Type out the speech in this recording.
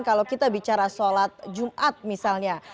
kalau kita bicara sholat jumat misalnya